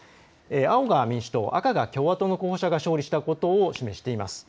青が民主党、赤が共和党の候補者が勝利したことを示しています。